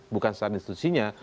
bukan soal institusinya